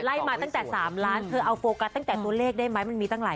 มาตั้งแต่๓ล้านเธอเอาโฟกัสตั้งแต่ตัวเลขได้ไหมมันมีตั้งหลาย